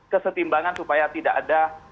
kesetimbangan supaya tidak ada